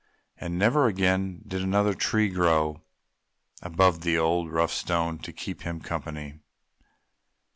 And never again did another tree grow above the old, rough Stone to keep him company.